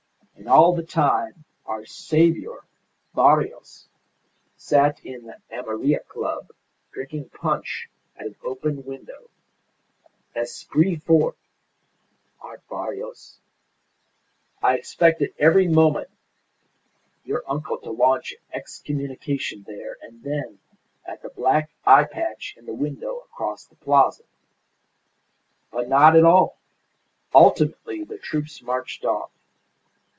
And all the time our saviour Barrios sat in the Amarilla Club drinking punch at an open window. Esprit fort our Barrios. I expected every moment your uncle to launch an excommunication there and then at the black eye patch in the window across the Plaza. But not at all. Ultimately the troops marched off.